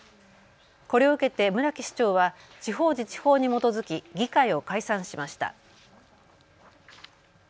これを受けて村木市長は地方自治法に基づき議会を解散しました。